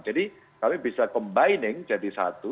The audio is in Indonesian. jadi kami bisa combining jadi satu